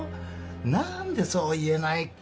何でそう言えないかな